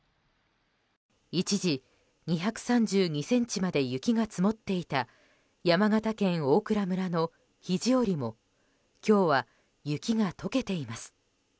一時２３２ｃｍまで雪が積もっていた山形県大蔵村の肘折も今日は雪が解けています。